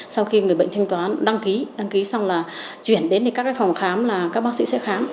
sau khi người bệnh thanh toán đăng ký đăng ký xong là chuyển đến các phòng khám là các bác sĩ sẽ khám